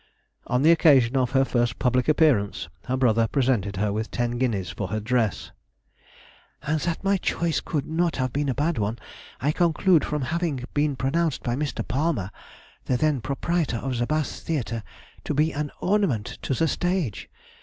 On the occasion of her first public appearance, her brother presented her with ten guineas for her dress,— "And that my choice could not have been a bad one I conclude from having been pronounced by Mr. Palmer (the then proprietor of the Bath theatre) to be an ornament to the stage.